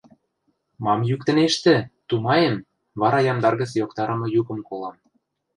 «Мам йӱктӹнештӹ?» — тумаем, вара ямдар гӹц йоктарымы юкым колам